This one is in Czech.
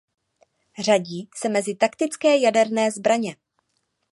Řadí se mezi taktické jaderné zbraně.